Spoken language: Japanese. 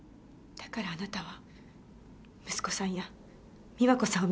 だからあなたは息子さんや美和子さんを見殺しにしたんですか？